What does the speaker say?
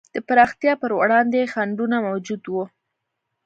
د پراختیا پر وړاندې خنډونه موجود وو.